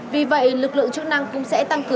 vì vậy lực lượng chức năng cũng sẽ tăng cường